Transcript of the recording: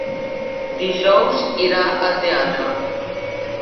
Dijous irà al teatre.